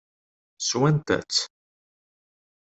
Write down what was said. Swant-tt?